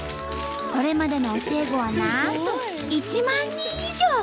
これまでの教え子はなんと１万人以上！